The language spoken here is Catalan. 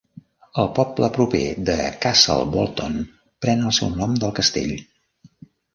El poble proper de Castle Bolton pren el seu nom del castell.